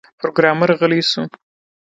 پروګرامر غلی شو